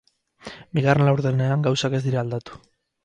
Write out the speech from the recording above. Bigarren laurdenean gauzak ez dira aldatu.